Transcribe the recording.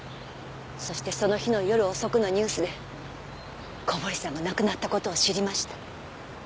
そしてその日の夜遅くのニュースで小堀さんが亡くなった事を知りました。